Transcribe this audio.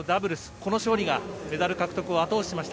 この勝利がメダル獲得を後押ししました。